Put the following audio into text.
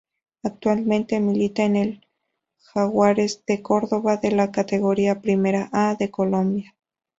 Actualmente milita en el Jaguares de Córdoba de la Categoría Primera A de Colombia.